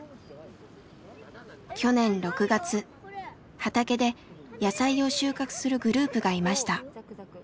畑で野菜を収穫するグループがいました。